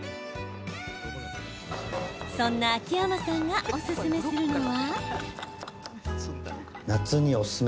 そんな秋山さんがおすすめするのが。